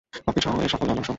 ককপিট-সহ এর সকল যন্ত্রাংশ।